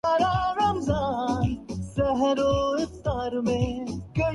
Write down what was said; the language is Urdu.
اسکی جان کو خطرے میں ڈال دیا آپ نے رپورٹنگ کر کے